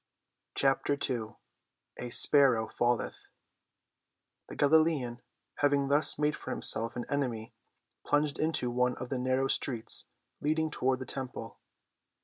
CHAPTER II A SPARROW FALLETH The Galilean, having thus made for himself an enemy, plunged into one of the narrow streets leading toward the temple.